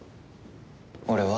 俺は？